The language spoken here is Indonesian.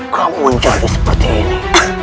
kamu menjadi seperti ini